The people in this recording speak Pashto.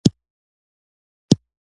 سپي ته لوبې ورکړئ.